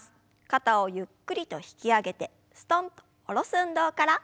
肩をゆっくりと引き上げてすとんと下ろす運動から。